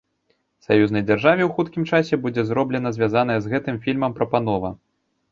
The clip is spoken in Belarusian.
Саюзнай дзяржаве ў хуткім часе будзе зроблена звязаная з гэтым фільмам прапанова.